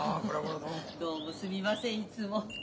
どうもすみませんいつも。